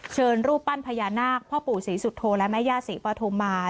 รูปปั้นพญานาคพ่อปู่ศรีสุโธและแม่ย่าศรีปฐุมา